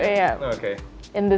di ruang ini